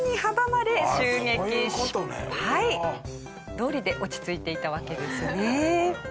どうりで落ち着いていたわけですね。